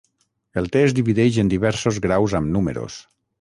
El te es divideix en diversos graus amb números.